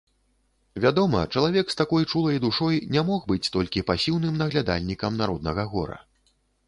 Вядома, чалавек з такой чулай душой не мог быць толькі пасіўным наглядальнікам народнага гора.